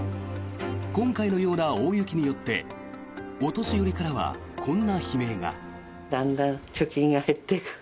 今回のような大雪によってお年寄りからはこんな悲鳴が。